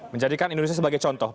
menjadikan indonesia sebagai contoh